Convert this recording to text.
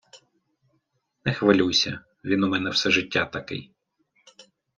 Не хвилюйся. Він у мене все життя такий.